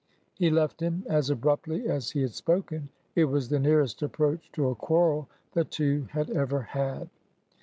He left him as abruptly as he had spoken. It was the nearest approach to a quarrel the two had ever had.